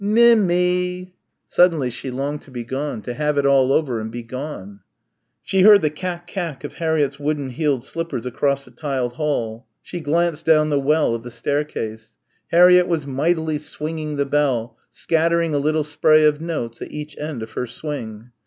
"Mim my!" Suddenly she longed to be gone to have it all over and be gone. She heard the kak kak of Harriett's wooden heeled slippers across the tiled hall. She glanced down the well of the staircase. Harriett was mightily swinging the bell, scattering a little spray of notes at each end of her swing.